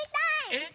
えっ？